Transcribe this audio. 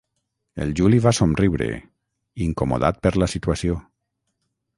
El Juli va somriure, incomodat per la situació.